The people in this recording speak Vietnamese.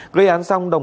gây án xong đồng